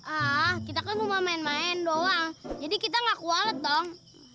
ah kita kan mau main main doang jadi kita gak kuat dong